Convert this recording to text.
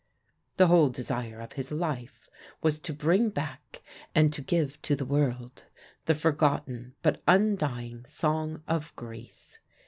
The whole desire of his life was to bring back and to give to the world the forgotten but undying Song of Greece.